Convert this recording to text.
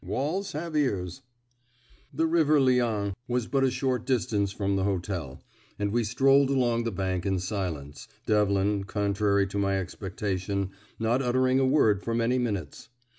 Walls have ears." The river Liane was but a short distance from the hotel, and we strolled along the bank in silence, Devlin, contrary to my expectation, not uttering a word for many minutes.